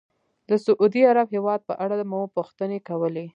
د سعودي عرب هېواد په اړه مو پوښتنې کولې.